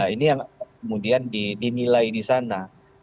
ini yang kemudian dinilai di sana